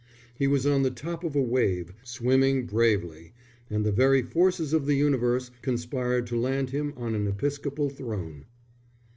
He was on the top of a wave, swimming bravely; and the very forces of the universe conspired to land him on an episcopal throne.